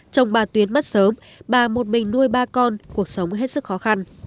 chồng bà tuyến mất sớm bà một mình nuôi ba con cuộc sống hết sức khó khăn